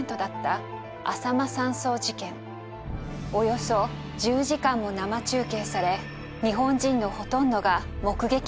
およそ１０時間も生中継され日本人のほとんどが目撃した事になります。